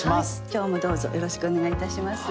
今日もどうぞよろしくお願いいたします。